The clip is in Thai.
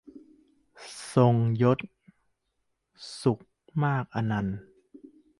ทรงยศ สุขมากอนันต์